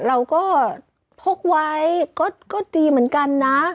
เราก็พกไว้ก็ดีเหมือนกันนะ